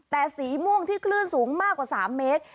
แต่สีม่วงที่คลื่นสูงมากกว่า๓เมตร